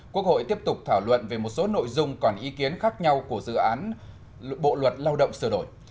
quốc hội tiếp tục thảo luận về một số nội dung còn ý kiến khác nhau của dự án bộ luật lao động sửa đổi